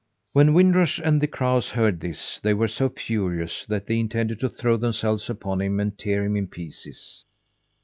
When Wind Rush and the crows heard this, they were so furious that they intended to throw themselves upon him and tear him in pieces.